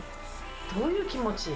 どういう気持ち？